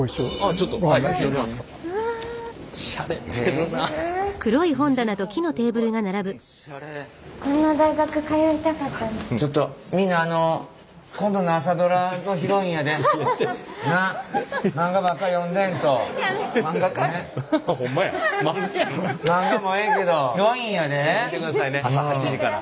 ちゃんと見てくださいね朝８時から。